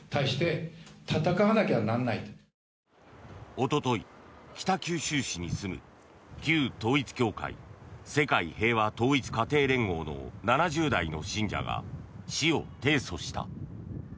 おととい、北九州市に住む旧統一教会・世界平和統一家庭連合の７０代の信者が市を提訴した。